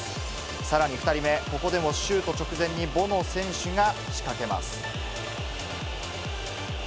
さらに２人目、ここでもシュート直前にボノ選手が仕掛けます。